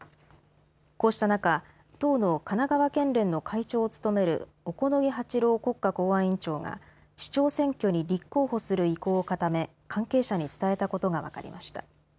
こうした中党の神奈川県連の会長を務める小此木八郎国家公安委員長が市長選挙に立候補する意向を固め関係者に伝えたことが分かりました。